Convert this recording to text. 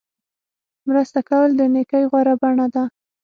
مرسته کول د نیکۍ غوره بڼه ده.